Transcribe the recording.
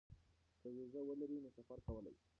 که وېزه ولري نو سفر کولی شي.